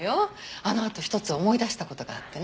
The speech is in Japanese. あのあと１つ思い出した事があってね。